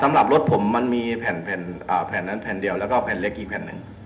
สำหรับรถผมมันมีแผ่นนั้นแผ่นเดียวแล้วก็แผ่นเล็กอีกแผ่นหนึ่ง